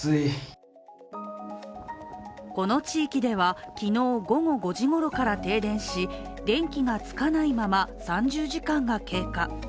この地域では、昨日午後５時ごろから停電し電気がつかないまま３０時間が経過。